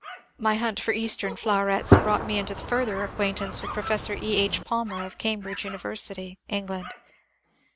My hunt for Eastern flowerets brought me into further acquaintance with Professor E. H. Palmer of Cambridge University (England).